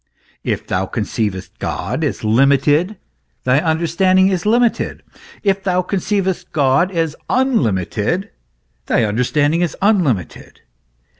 If thou conceivest God as limited, thy understanding is limited ; if thou conceivest God as unlimited, thy understanding is unlimited.